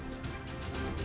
semoga kita mati sungguh